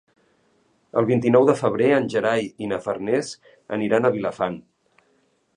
El vint-i-nou de febrer en Gerai i na Farners aniran a Vilafant.